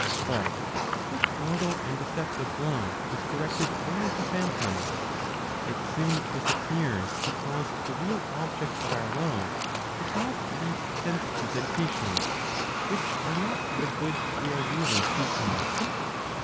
But such mortal and deceptive love is directed only to phantoms; it soon disappears because the real object of our love is not these sense presentations, which are not the good we are really seeking.